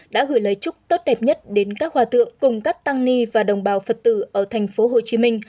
đã gửi lời chúc tốt đẹp nhất đến các hòa tượng cùng các tăng ni và đồng bào phật tử ở thành phố hồ chí minh